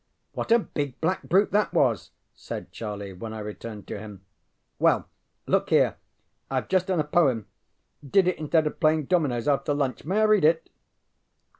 ŌĆ£What a big black brute that was! ŌĆØ said Charlie, when I returned to him. ŌĆ£Well, look here, IŌĆÖve just done a poem; did it instead of playing dominoes after lunch. May I read it?